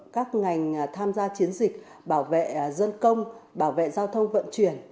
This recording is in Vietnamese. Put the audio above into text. các ngành tham gia chiến dịch bảo vệ dân công bảo vệ giao thông vận chuyển